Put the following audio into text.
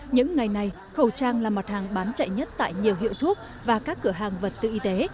những ngày này khẩu trang là mặt hàng bán chạy nhất tại nhiều hiệu thuốc và các cửa hàng vật tự y tế